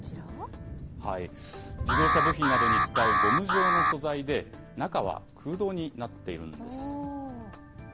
自動車部品などに使うゴム状の素材で、中は空洞になっているんです。